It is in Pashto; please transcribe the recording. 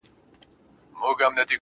هغه نن بيا د چا د ياد گاونډى~